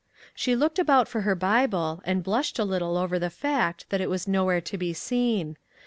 She looked about for her Bible, and blushed a little over the fact that it was nowhere to be seen.